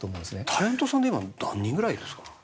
タレントさんって今、何人ぐらいいるんですか？